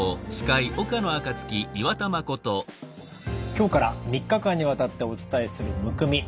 今日から３日間にわたってお伝えするむくみ。